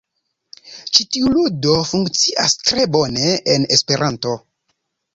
Ĉi tiu ludo funkcias tre bone en Esperanto.